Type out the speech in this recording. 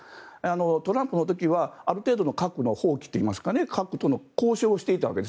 トランプの時はある程度の核の放棄といいますか核との交渉をしていたわけです。